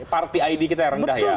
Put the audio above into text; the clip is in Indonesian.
party id kita yang rendah ya